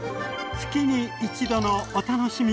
月に一度のお楽しみ！